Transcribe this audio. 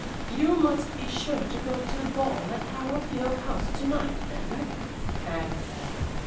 "You must be sure to go to the ball at Harrowfield House to night, then," Anne said.